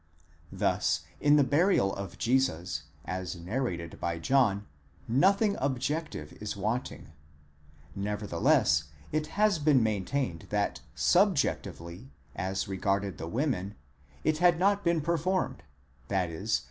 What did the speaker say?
Thus in the burial of Jesus as narrated by John nothing objective was wanting: nevertheless, it has been maintained that subjectively, as regarded the women, it had not been performed, i.e.